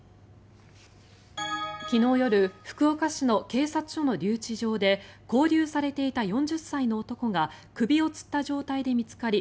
昨日夜福岡市の警察署の留置場で勾留されていた４０歳の男が首をつった状態で見つかり